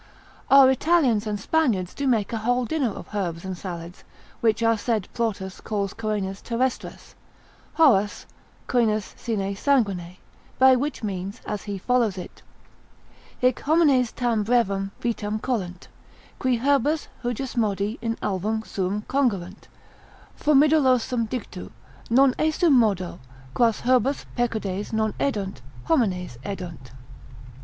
Our Italians and Spaniards do make a whole dinner of herbs and salads (which our said Plautus calls coenas terrestras, Horace, coenas sine sanguine), by which means, as he follows it, Hic homines tam brevem vitam colunt— Qui herbas hujusmodi in alvum suum congerunt, Formidolosum dictu, non esu modo, Quas herbas pecudes non edunt, homines edunt.